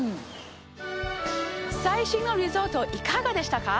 最新のリゾート、いかがでしたか？